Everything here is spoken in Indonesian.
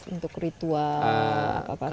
untuk ritual apa apa saja